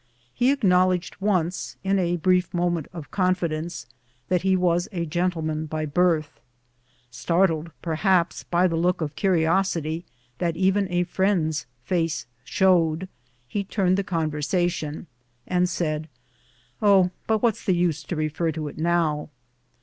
He acknowledged once, in a brief moment of confidence, that he was a gentleman by birth. Startled, perhaps, by the look of curiosity that even a friend's face showed, he turned the conver sation, and said, " Oh, but what's the use to refer to it now